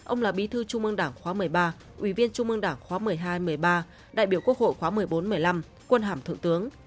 ông là bí thư trung ương đảng khóa một mươi ba ủy viên trung ương đảng khóa một mươi hai một mươi ba đại biểu quốc hội khóa một mươi bốn một mươi năm quân hàm thượng tướng